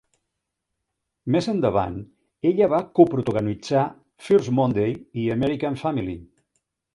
Més endavant, ella va coprotagonitzar "First Monday" i "American Family".